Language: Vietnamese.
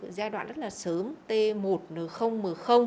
giai đoạn rất là sớm t một n m